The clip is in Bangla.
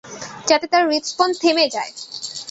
যাতে তার হৃদস্পন্দন থেমে যায়!